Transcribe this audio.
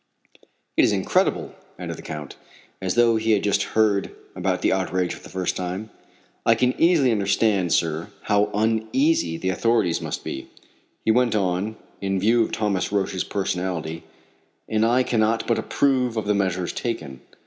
"It is incredible!" added the Count, as though he had just heard about the outrage for the first time. "I can easily understand, sir, how uneasy the authorities must be," he went on, "in view of Thomas Roch's personality, and I cannot but approve of the measures taken.